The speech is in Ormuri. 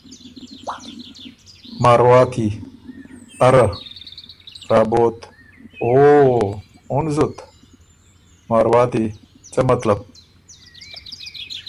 مارواتی: اره ــــــ رابوت: اوووه، اُن زُت؟ ـــــ مارواتی: ځۀ مطلب؟